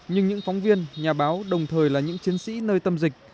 nhưng những phóng viên nhà báo đồng thời là những chiến sĩ nơi tâm dịch